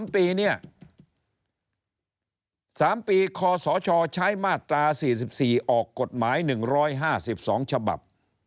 ๓ปีเนี่ย๓ปีคศใช้มาตรา๔๔ออกกฎหมาย๑๕๒ฉบับ